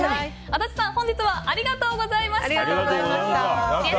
足立さん、本日はありがとうございました。